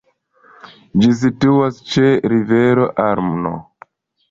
Ĝi situas ĉe rivero Arno.